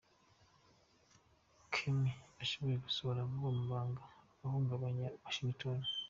Comey ashobora gusohora vuba amabanga ahungabanya Washington.